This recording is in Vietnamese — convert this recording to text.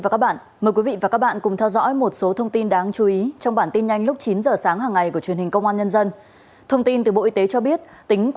cảm ơn các bạn đã theo dõi